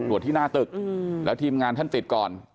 ที่หน้าตึกแล้วทีมงานท่านติดก่อน